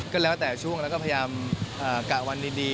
ก็แล้วแต่ช่วงแล้วก็พยายามกะวันดี